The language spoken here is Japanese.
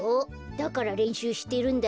だかられんしゅうしてるんだよ。